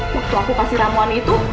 waktu aku kasih ramuan itu